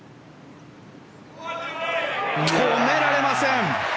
止められません！